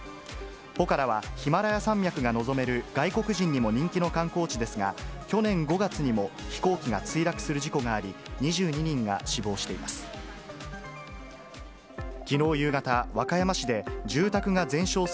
ポカラはヒマラヤ山脈が望める外国人にも人気の観光地ですが、去年５月にも飛行機が墜落する事故があり、２２人が死亡しています。